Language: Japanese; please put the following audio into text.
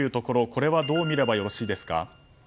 これはどう見ればよろしいですか？